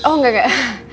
oh enggak enggak